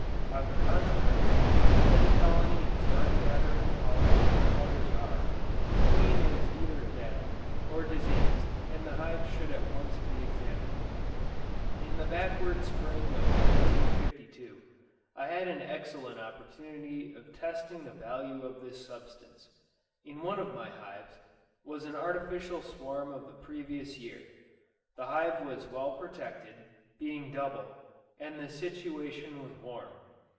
On the contrary, if any colony is not gathering pollen when others are, the queen is either dead, or diseased, and the hive should at once be examined. In the backward spring of 1852, I had an excellent opportunity of testing the value of this substance. In one of my hives, was an artificial swarm of the previous year. The hive was well protected, being double, and the situation was warm.